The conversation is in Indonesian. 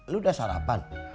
lo udah sarapan